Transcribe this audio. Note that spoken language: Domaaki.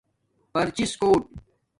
پرچس کݸٹ